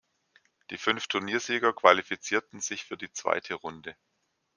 Die fünf Turniersieger qualifizierten sich für die zweite Runde.